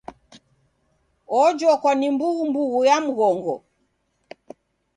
Ojokwa ni mbughumbughu ya mghongo.